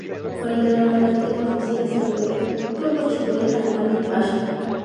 Fue nieto de uno de los últimos Visires del Imperio, el turcochipriota Kamil Pasha.